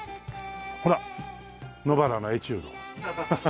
ほら『野ばらのエチュード』。